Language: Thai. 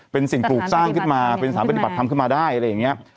เป็นสิ่งปลูกสร้างขึ้นมาเป็นสารปฏิบัติทำขึ้นมาได้อะไรอย่างนี้